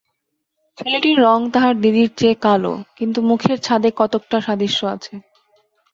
ছেলেটির রঙ তাহার দিদির চেয়ে কালো, কিন্তু মুখের ছাঁদে কতকটা সাদৃশ্য আছে।